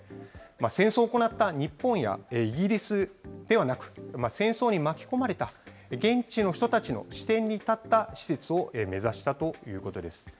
戦争を行った日本やイギリスではなく、戦争に巻き込まれた現地の人たちの視点に立った施設を目指したということです。